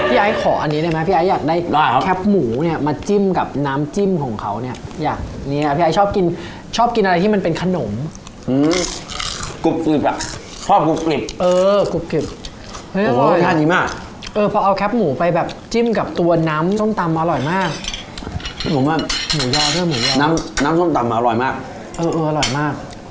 อีกอีกอีกอีกอีกอีกอีกอีกอีกอีกอีกอีกอีกอีกอีกอีกอีกอีกอีกอีกอีกอีกอีกอีกอีกอีกอีกอีกอีกอีกอีกอีกอีกอีกอีกอีกอีกอ